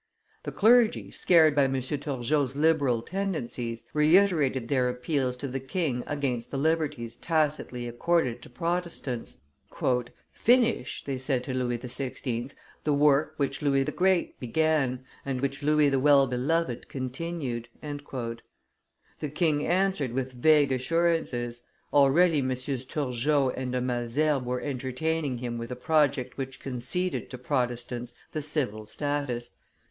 The clergy, scared by M. Turgot's liberal tendencies, reiterated their appeals to the king against the liberties tacitly accorded to Protestants. "Finish," they said to Louis XVI., "the work which Louis the Great began, and which Louis the Well beloved continued." The king answered with vague assurances; already MM. Turgot and de Malesherbes were entertaining him with a project which conceded to Protestants the civil status.